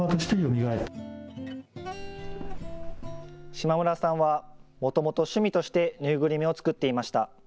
島邑さんはもともと趣味として縫いぐるみを作っていました。